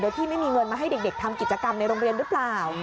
ที่ไม่มีเงินมาให้เด็กทำกิจกรรมในโรงเรียนหรือเปล่า